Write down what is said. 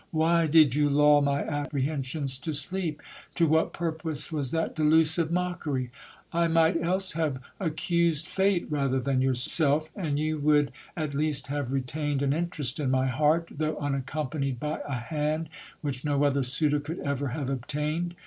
Why did you lull my apprehensions to sleep ? To what purpose was that delusive mo:kerY ? I might else have accused fate rather than yourself, and you would at least have retained an interest in my heart, though unaccompanied by a hand which no other suitor could ever have obtained.